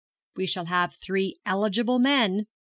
'We shall have three eligible men.'